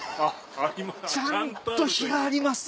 ちゃんと碑があります！